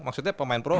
maksudnya pemain pro